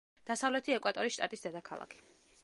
დასავლეთი ეკვატორიის შტატის დედაქალაქი.